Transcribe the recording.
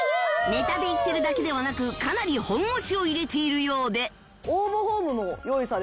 ネタで言ってるだけではなくかなり本腰を入れているようで